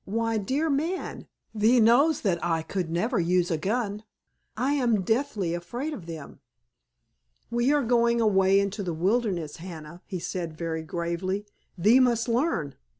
"Why, dear man, thee knows that I could never use a gun. I am deathly afraid of them." "We are going away into the wilderness, Hannah," he said very gravely, "thee must learn."